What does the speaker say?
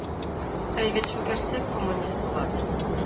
— Тый вет шукертсек коммунист улат.